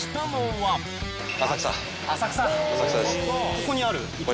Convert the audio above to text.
ここにある？